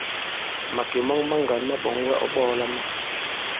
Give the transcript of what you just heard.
Màkè mɔŋ maŋgǎn ma ɓɔ̌ŋ wɛ ɔ̌ ɓɔ̄ɔla mâm.